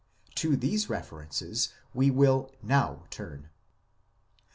To these references we will now turn.